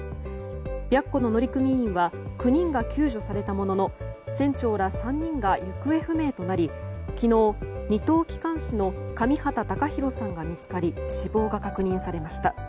「白虎」の乗組員は９人が救助されたものの船長ら３人が行方不明となり昨日二等機関士の上畠隆寛さんが見つかり死亡が確認されました。